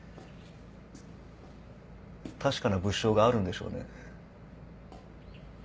確かな物証があるんでしょうね。